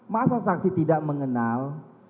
masa saksi tidak mengenal